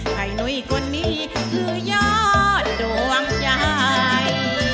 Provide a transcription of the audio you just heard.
ใครหน่วยคนนี้คือยอดดวงใจ